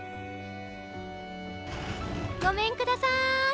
ごめんくださーい！